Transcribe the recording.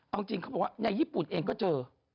เอาจริงเขาบอกว่าในญี่ปุ่นเองก็เจอ